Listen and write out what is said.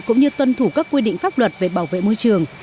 cũng như tuân thủ các quy định pháp luật về bảo vệ môi trường